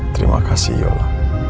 terima kasih yola